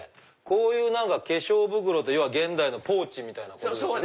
こういう化粧袋要は現代のポーチみたいなことでしょうね。